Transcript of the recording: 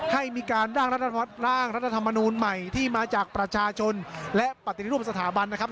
ให้มีการร่างรัฐร่างรัฐธรรมนูลใหม่ที่มาจากประชาชนและปฏิรูปสถาบันนะครับ